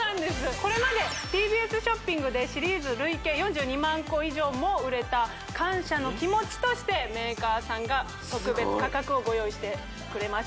これまでＴＢＳショッピングでシリーズ累計４２万個以上も売れた感謝の気持ちとしてメーカーさんが特別価格をご用意してくれました